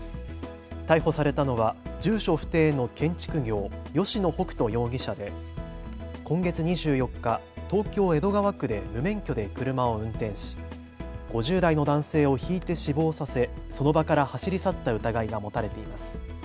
逮捕されたのは住所不定の建築業、吉野北斗容疑者で今月２４日、東京江戸川区で無免許で車を運転し５０代の男性をひいて死亡させその場から走り去った疑いが持たれています。